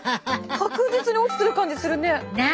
確実に落ちてる感じするね。なあ。